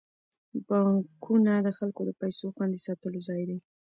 بانکونه د خلکو د پيسو خوندي ساتلو ځای دی.